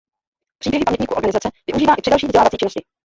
Příběhy pamětníků organizace využívá i při další vzdělávací činnosti.